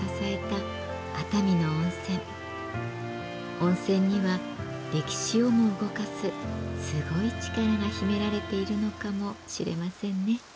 温泉には歴史をも動かすすごい力が秘められているのかもしれませんね。